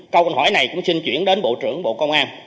câu hỏi này cũng xin chuyển đến bộ trưởng bộ công an